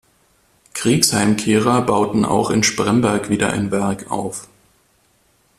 Kriegsheimkehrer bauten auch in Spremberg wieder ein Werk auf.